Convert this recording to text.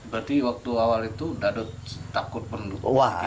berarti waktu awal itu tidak ada takut penduduk